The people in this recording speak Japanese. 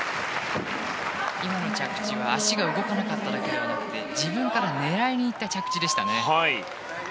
今の着地は足が動かなかっただけではなくて自分から狙いに行った着地でしたね。